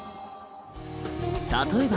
例えば。